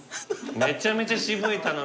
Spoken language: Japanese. めちゃめちゃ渋い頼み。